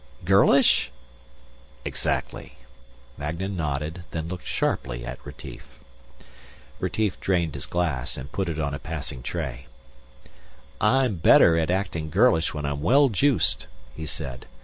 "Girlish?" "Exactly." Magnan nodded, then looked sharply at Retief. Retief drained his glass and put it on a passing tray. "I'm better at acting girlish when I'm well juiced," he said.